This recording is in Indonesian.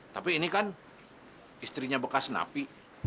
tapi ini kan istrinya bekas napi